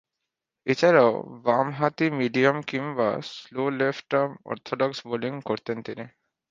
এছাড়াও, বামহাতি মিডিয়াম কিংবা স্লো লেফট-আর্ম অর্থোডক্স বোলিং করতেন তিনি।